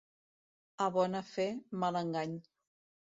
A bona fe, mal engany.